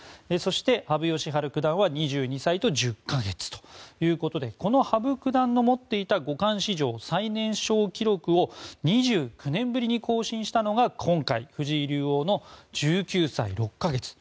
そして羽生善治九段は２２歳と１０か月ということでこの羽生九段の持っていた五冠史上最年少記録を２９年ぶりに更新したのが今回の藤井竜王の１９歳６か月。